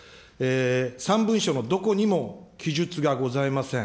３文書のどこにも記述がございません。